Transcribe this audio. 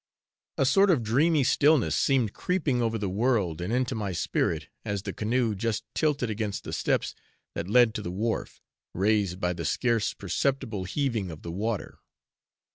A sort of dreamy stillness seemed creeping over the world and into my spirit, as the canoe just tilted against the steps that led to the wharf, raised by the scarce perceptible heaving of the water.